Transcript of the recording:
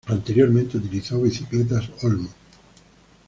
Anteriormente utilizó bicicletas "Olmo".